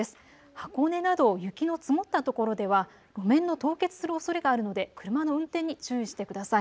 箱根など雪の積もった所では路面の凍結するおそれがあるので車の運転に注意してください。